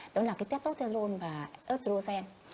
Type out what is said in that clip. đó là tétotetron và ớtrogen